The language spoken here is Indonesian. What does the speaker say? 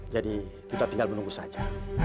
jadi kita tinggal menunggu saja